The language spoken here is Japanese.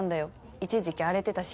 一時期荒れてたし。